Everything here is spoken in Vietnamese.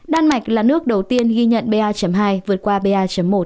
đan mạch là nước đầu tiên ghi nhận pa hai vượt qua pa một